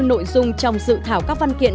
nội dung trong dự thảo các văn kiện